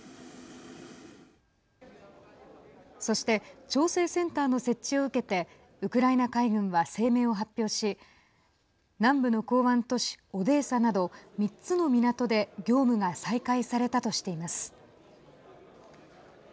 そして調整センターの設置を受けてウクライナ海軍は声明を発表し南部の港湾都市オデーサなど３つの港で業務が再開されたとしています。